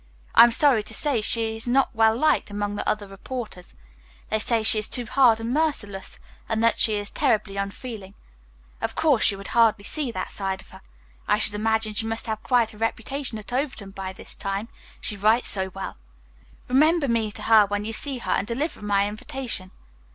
I am sorry to say she is not well liked among the other reporters. They say she is too hard and merciless and that she is terribly unfeeling. Of course, you would hardly see that side of her. I should imagine she must have quite a reputation at Overton by this time, she writes so well. Remember me to her when you see her and deliver my invitation.